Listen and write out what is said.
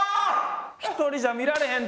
一人じゃ見られへんて。